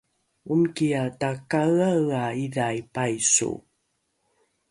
omikiae takaeaea idhai paiso